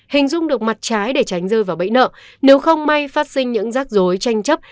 hình dung được mặt trái để tránh rơi vào bẫy nợ nếu không may phát sinh những rác dối tranh chấp